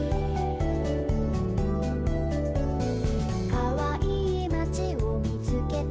「かわいいまちをみつけたよ」